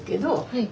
はい。